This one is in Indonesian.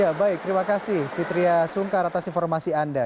ya baik terima kasih fitriah sungkar atas informasi anda